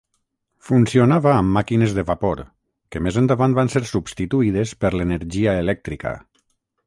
Funcionava amb màquines de vapor, que més endavant van ser substituïdes per l'energia elèctrica.